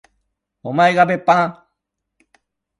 おまえが別班？